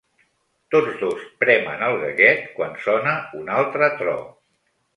Tots dos premen el gallet quan sona un altre tro.